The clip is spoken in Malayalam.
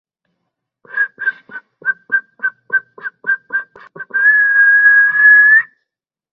വീട്ടിലിരിക്കാൻ നിർബന്ധിതരാവുമ്പോൾ ഇവരിൽ ഓരോരുത്തരും അതിനോട് പ്രതികരിക്കുന്നത് പലതരത്തിലാണ്.